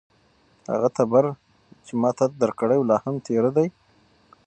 هغه تبر چې ما تاته درکړی و، لا هم تېره دی؟